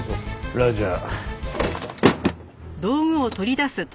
ラジャー。